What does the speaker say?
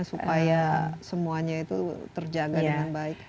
supaya semuanya itu terjaga dengan baik